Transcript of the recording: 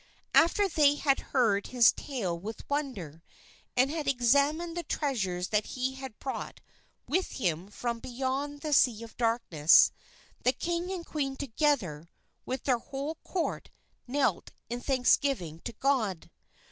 After they had heard his tale with wonder, and had examined the treasures that he had brought with him from beyond the Sea of Darkness, the King and Queen together with their whole Court knelt in thanksgiving to God.